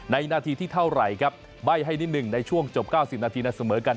นาทีที่เท่าไหร่ครับใบ้ให้นิดหนึ่งในช่วงจบ๙๐นาทีนั้นเสมอกัน